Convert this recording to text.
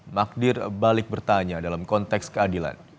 magdir balik bertanya dalam konteks keadilan